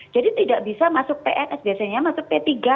jadi tidak bisa masuk pns biasanya masuk pppk